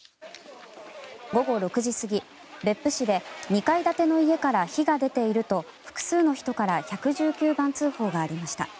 午後６時過ぎ、別府市で２階建ての家から火が出ていると複数の人から１１９番通報がありました。